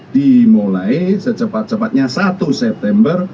dimulai secepat cepatnya satu september